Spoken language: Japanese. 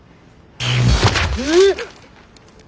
えっ！